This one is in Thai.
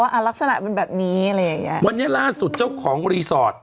วันแย่ใหล่สุดแก่ของรีสอร์ต